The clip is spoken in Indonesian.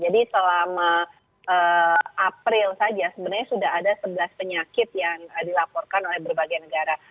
jadi selama april saja sebenarnya sudah ada sebelas penyakit yang dilaporkan oleh berbagai negara